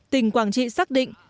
tỉnh quảng trị xác định